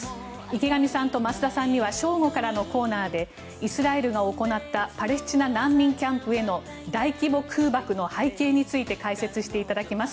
池上さんと増田さんには正午からのコーナーでイスラエルが行ったパレスチナ難民キャンプへの大規模空爆の背景について解説していただきます。